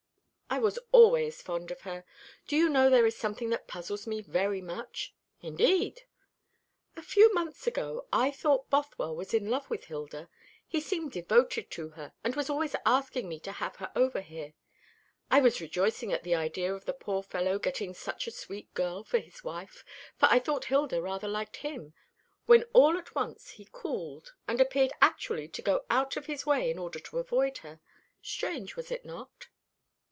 "I was always fond of her. Do you know there is something that puzzles me very much?" "Indeed!" "A few months ago I thought Bothwell was in love with Hilda. He seemed devoted to her, and was always asking me to have her over here. I was rejoicing at the idea of the poor fellow getting such a sweet girl for his wife, for I thought Hilda rather liked him, when all at once he cooled, and appeared actually to go out of his way in order to avoid her. Strange, was it not?"